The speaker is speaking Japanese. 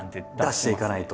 出していかないと。